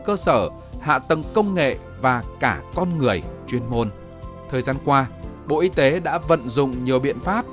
cơ sở hạ tầng công nghệ và cả con người chuyên môn thời gian qua bộ y tế đã vận dụng nhiều biện pháp